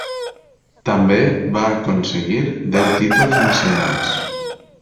També va aconseguir deu títols nacionals.